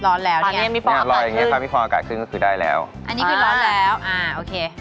อ๋อร้อนแล้วเนี่ยมีความอากาศขึ้นก็คือได้แล้วอันนี้คือร้อนแล้วอ่าโอเค